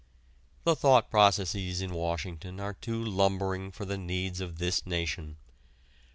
The thought processes in Washington are too lumbering for the needs of this nation.